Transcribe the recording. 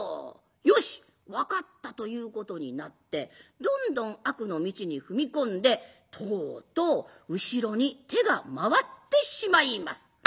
「よし分かった」ということになってどんどん悪の道に踏み込んでとうとう後ろに手が回ってしまいます。